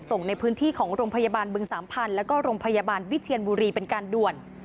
ส่งในพื้นที่ของโรงพยาบาลบึงสามพันธุ์แล้วก็โรงพยาบาลวิเชียนบุรีเป็นการด่วน